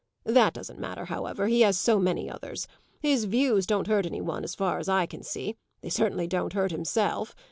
That doesn't matter, however he has so many others. His views don't hurt any one as far as I can see; they certainly don't hurt himself.